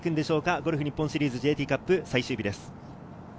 ゴルフ日本シリーズＪＴカップ最終日です。